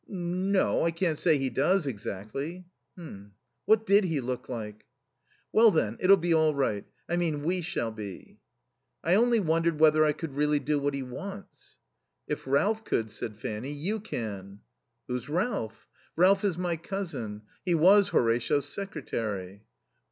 "No. I can't say he does, exactly." (What did he look like?) "Well, then, it'll be all right. I mean we shall be." "I only wondered whether I could really do what he wants." "If Ralph could," said Fanny, "you can." "Who's Ralph?" "Ralph is my cousin. He was Horatio's secretary."